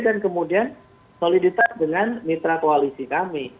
dan kemudian soliditas dengan mitra koalisi kami